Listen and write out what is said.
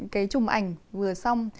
cái chùm ảnh vừa xong